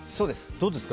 どうですか？